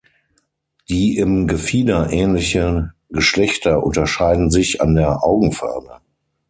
Die im Gefieder ähnliche Geschlechter unterscheiden sich an der Augenfarbe.